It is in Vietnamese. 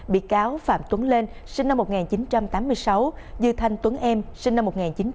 bị cáo phạm tuấn lên sinh năm một nghìn chín trăm tám mươi sáu dư thanh tuấn em sinh năm một nghìn chín trăm tám mươi